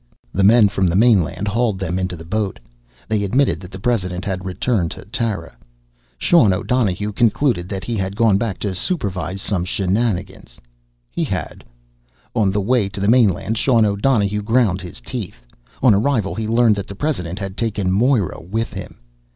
The men from the mainland hauled them into the boat. They admitted that the president had returned to Tara. Sean O'Donohue concluded that he had gone back to supervise some shenanigans. He had. On the way to the mainland Sean O'Donohue ground his teeth. On arrival he learned that the president had taken Moira with him.